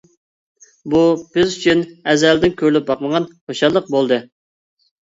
بۇ بىز ئۈچۈن ئەزەلدىن كۆرۈلۈپ باقمىغان خۇشاللىق بولدى.